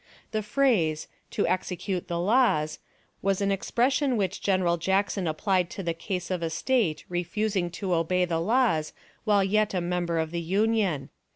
The phrase, 'to execute the laws,' was an expression which General Jackson applied to the case of a State refusing to obey the laws while yet a member of the Union.